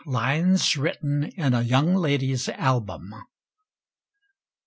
] LINES WRITTEN IN A YOUNG LADY'S ALBUM.